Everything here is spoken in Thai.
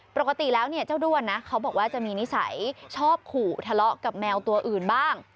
ปกติแล้วเนี่ยเจ้าด้วนนะเขาบอกว่าจะมีนิสัยชอบขู่ทะเลาะกับแมวตัวอื่นบ้าง